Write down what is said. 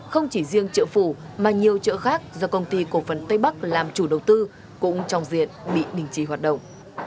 không chỉ riêng chợ phủ mà nhiều chợ khác do công ty cổ phần tây bắc làm chủ đầu tư cũng trong diện bị đình chỉ hoạt động